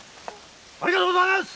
ありがとうございます！